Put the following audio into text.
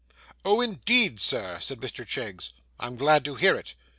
'Oh, indeed, sir!' said Mr Cheggs. 'I'm glad to hear it.